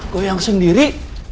gue yang sendiri